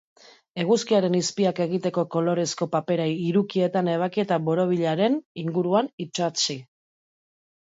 Eguzkiaren izpiak egiteko kolorezko papera hirukietan ebaki eta borobilaren inguruan itsatsi.